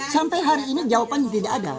sampai hari ini jawaban tidak ada